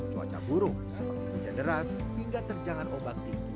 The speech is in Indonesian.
cuaca buruk semangat hujan deras hingga terjangan obat tisu